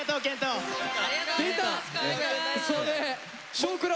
「少クラ」